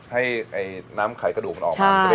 ให้น้ำไขกระดูกมันออกมา